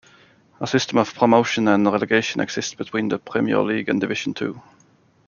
A system of promotion and relegation exists between the Premier League and Division Two.